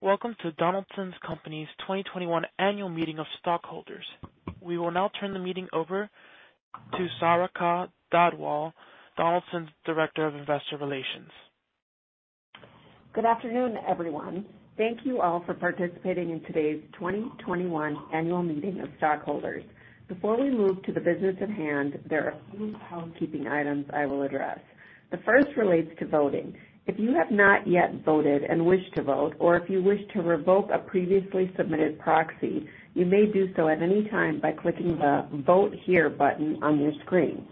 Welcome to Donaldson Company’s 2021 Annual Meeting of Stockholders. We will now turn the meeting over to Sarika Dhadwal, Donaldson’s Director of Investor Relations. Good afternoon, everyone. Thank you all for participating in today's 2021 Annual Meeting of Stockholders. Before we move to the business at hand, there are a few housekeeping items I will address. The first relates to voting. If you have not yet voted and wish to vote, or if you wish to revoke a previously submitted proxy, you may do so at any time by clicking the Vote Here button on your screen.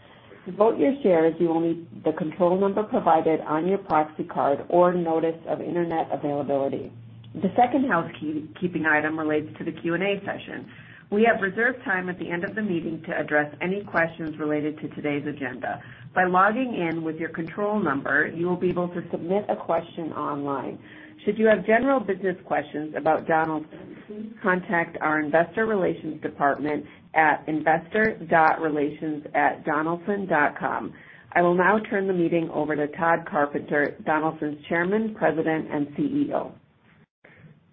To vote your shares, you will need the control number provided on your proxy card or notice of internet availability. The second housekeeping item relates to the Q&A session. We have reserved time at the end of the meeting to address any questions related to today's agenda. By logging in with your control number, you will be able to submit a question online. Should you have general business questions about Donaldson, please contact our investor relations department at investor.relations@donaldson.com. I will now turn the meeting over to Tod Carpenter, Donaldson's Chairman, President, and CEO.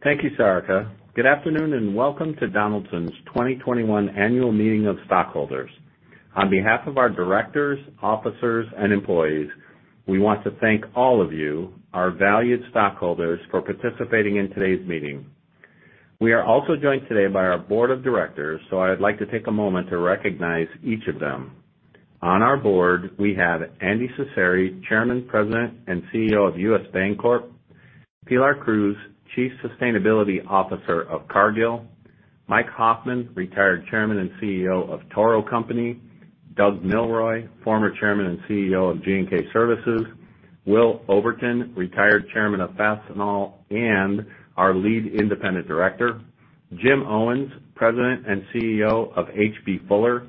Thank you, Sarika. Good afternoon, and welcome to Donaldson's 2021 Annual Meeting of Stockholders. On behalf of our directors, officers, and employees, we want to thank all of you, our valued stockholders, for participating in today's meeting. We are also joined today by our board of directors, so I would like to take a moment to recognize each of them. On our board, we have Andy Cecere, Chairman, President, and CEO of U.S. Bancorp. Pilar Cruz, Chief Sustainability Officer of Cargill. Mike Hoffman, retired Chairman and CEO of Toro Company. Doug Milroy, former Chairman and CEO of G&K Services. Will Oberton, retired Chairman of Fastenal and our Lead Independent Director. Jim Owens, President and CEO of H.B. Fuller.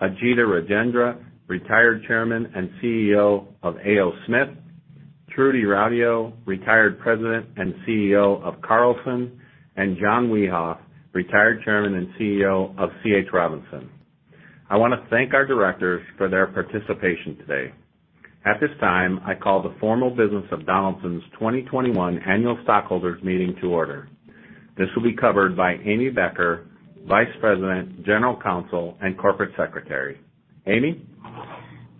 Ajita Rajendra, retired Chairman and CEO of A. O. Smith. Trudy Rautio, retired President and CEO of Carlson. John Wiehoff, retired Chairman and CEO of C.H. Robinson. I wanna thank our directors for their participation today. At this time, I call the formal business of Donaldson's 2021 Annual Stockholders Meeting to order. This will be covered by Amy Becker, Vice President, General Counsel, and Corporate Secretary. Amy?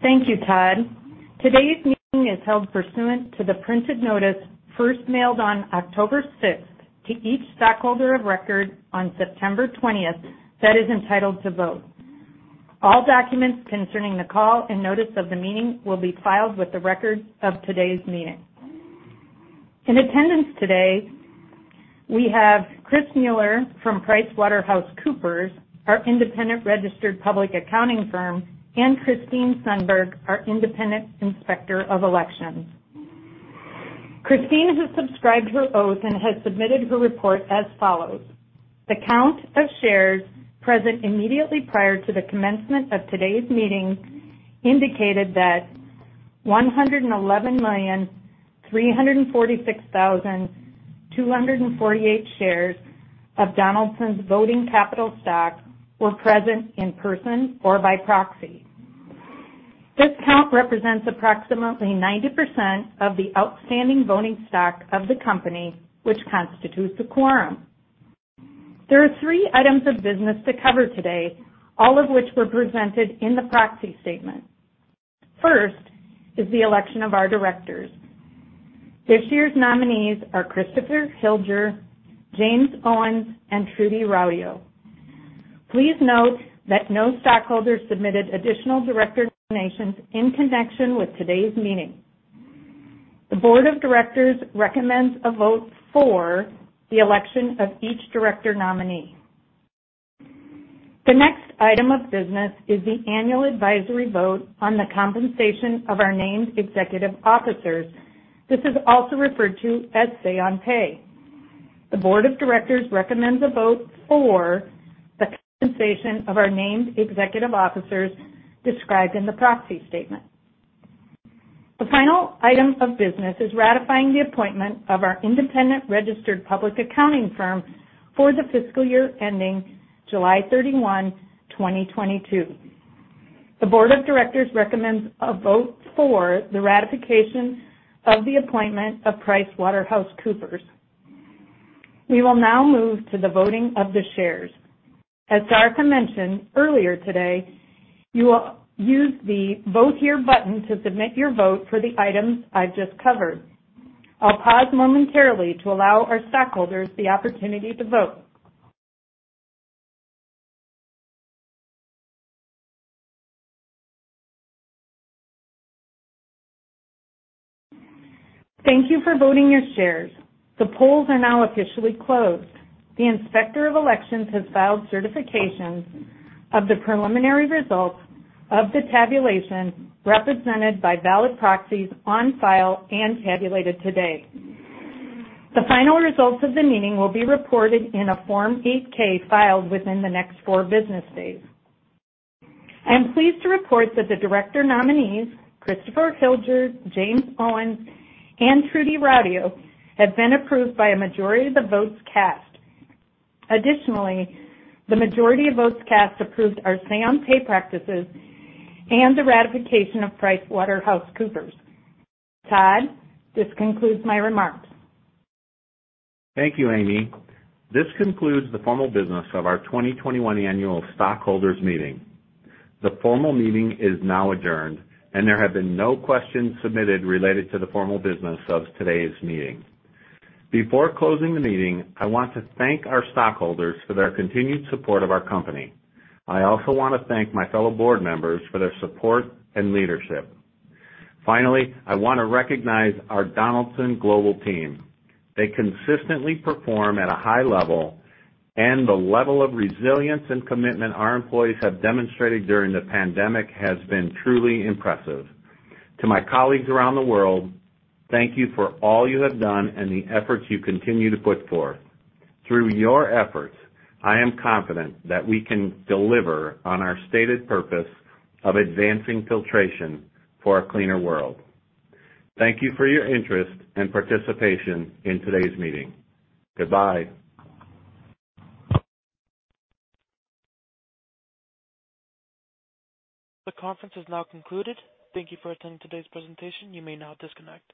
Thank you, Tod. Today's meeting is held pursuant to the printed notice first mailed on October 6th to each stockholder of record on September 20th, that is entitled to vote. All documents concerning the call and notice of the meeting will be filed with the record of today's meeting. In attendance today, we have Chris Mueller from PricewaterhouseCoopers, our independent registered public accounting firm, and Christine Sundberg, our independent Inspector of Elections. Christine has subscribed her oath and has submitted her report as follows. The count of shares present immediately prior to the commencement of today's meeting indicated that 111,346,248 shares of Donaldson's voting capital stock were present in person or by proxy. This count represents approximately 90% of the outstanding voting stock of the company, which constitutes a quorum. There are three items of business to cover today, all of which were presented in the proxy statement. First is the election of our directors. This year's nominees are Christopher Hilger, James Owens, and Trudy Rautio. Please note that no stockholder submitted additional director nominations in connection with today's meeting. The board of directors recommends a vote for the election of each director nominee. The next item of business is the annual advisory vote on the compensation of our named executive officers. This is also referred to as say on pay. The board of directors recommends a vote for the compensation of our named executive officers described in the proxy statement. The final item of business is ratifying the appointment of our independent registered public accounting firm for the fiscal year ending July 31, 2022. The board of directors recommends a vote for the ratification of the appointment of PricewaterhouseCoopers. We will now move to the voting of the shares. As Sarika mentioned earlier today, you will use the Vote Here button to submit your vote for the items I've just covered. I'll pause momentarily to allow our stockholders the opportunity to vote. Thank you for voting your shares. The polls are now officially closed. The Inspector of Elections has filed certifications of the preliminary results of the tabulation represented by valid proxies on file and tabulated today. The final results of the meeting will be reported in a Form 8-K filed within the next four business days. I am pleased to report that the director nominees, Christopher Hilger, James Owens, and Trudy Rautio, have been approved by a majority of the votes cast. Additionally, the majority of votes cast approved our say on pay practices and the ratification of PricewaterhouseCoopers. Tod, this concludes my remarks. Thank you, Amy. This concludes the formal business of our 2021 Annual Stockholders Meeting. The formal meeting is now adjourned, and there have been no questions submitted related to the formal business of today's meeting. Before closing the meeting, I want to thank our stockholders for their continued support of our company. I also wanna thank my fellow board members for their support and leadership. Finally, I wanna recognize our Donaldson global team. They consistently perform at a high level, and the level of resilience and commitment our employees have demonstrated during the pandemic has been truly impressive. To my colleagues around the world, thank you for all you have done and the efforts you continue to put forth. Through your efforts, I am confident that we can deliver on our stated purpose of advancing filtration for a cleaner world. Thank you for your interest and participation in today's meeting. Goodbye. The conference has now concluded. Thank you for attending today's presentation. You may now disconnect.